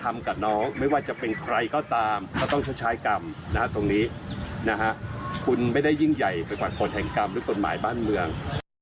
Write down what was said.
ไม่ว่าจะเป็นใครก็ตามก็ต้องชดใช้กรรมนะฮะตรงนี้นะฮะคุณไม่ได้ยิ่งใหญ่ไปกว่ากฎแห่งกรรมและกฎหมายบ้านเมือง